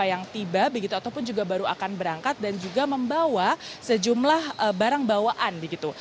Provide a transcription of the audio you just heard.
yang tiba begitu ataupun juga baru akan berangkat dan juga membawa sejumlah barang bawaan begitu